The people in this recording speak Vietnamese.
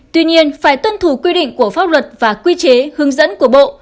tuy nhiên phải tuân thủ quy định của pháp luật và quy chế hướng dẫn của bộ